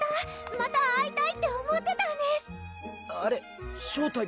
また会いたいって思ってたんです